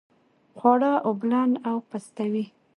خواړه اوبلن او پستوي.